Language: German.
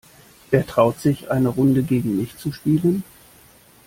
Wer traut sich, eine Runde gegen mich zu spielen?